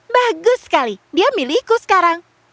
bagus sekali dia milihku sekarang